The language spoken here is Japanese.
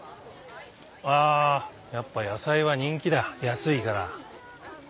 あやっぱ野菜は人気だ安いから。